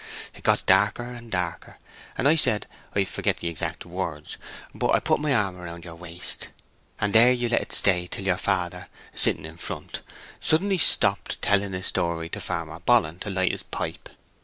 It got darker and darker, and I said—I forget the exact words—but I put my arm round your waist and there you let it stay till your father, sitting in front suddenly stopped telling his story to Farmer Bollen, to light his pipe.